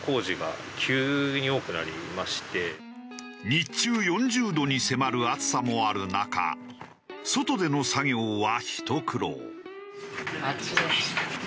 日中４０度に迫る暑さもある中外での作業はひと苦労。